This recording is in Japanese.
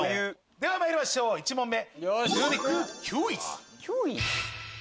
ではまいりましょう１問目。